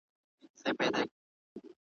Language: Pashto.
زموږ د معصومو دنګو پېغلو د حیا کلی دی`